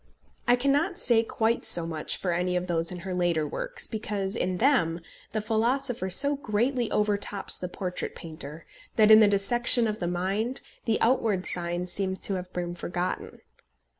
I cannot say quite so much for any of those in her later works, because in them the philosopher so greatly overtops the portrait painter, that, in the dissection of the mind, the outward signs seem to have been forgotten.